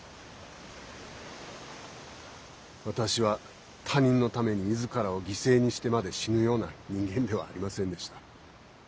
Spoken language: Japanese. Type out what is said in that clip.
私は他人のために自らを犠牲にしてまで死ぬような人間ではありませんでした。